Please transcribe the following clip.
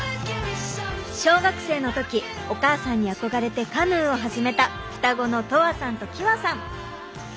小学生の時お母さんに憧れてカヌーを始めた双子のとわさんときわさん。